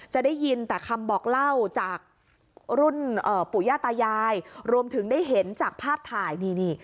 จะได้ยินแต่คำบอกเล่าจากรุ่นปู่ย่าตายายรวมถึงได้เห็นจากภาพถ่ายนี่นี่